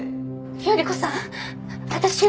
依子さん私よ。